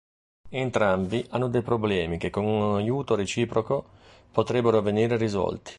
Entrambi hanno dei problemi che con un aiuto reciproco potrebbero venire risolti.